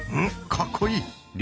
かっこいい！